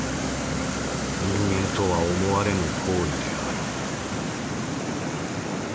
人間とは思われぬ行為である」。